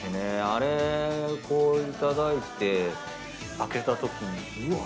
あれこう頂いて開けたときにうわ！